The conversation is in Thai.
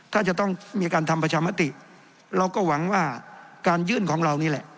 ถ้าจะต้องมีการทำประชามติเราก็หวังว่าการยื่นของเรานี่แหละ